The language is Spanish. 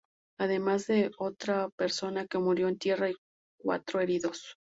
Además, de otra persona que murió en tierra y cuatro heridos.